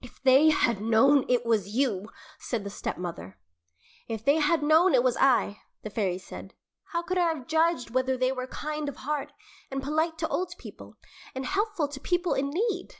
"If they had known it was you " said the stepmother. "If they had known it was I," the fairy said, "how could I have judged whether they were kind of heart, and polite to old people, and helpful to people in need?"